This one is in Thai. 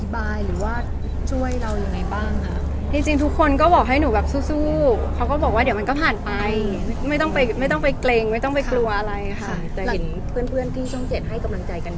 พอมันเกิดเหตุการณ์แบบนี้พี่เขาให้กำลังใจหรืออธิบาย